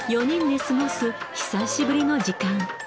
４人で過ごす久しぶりの時間。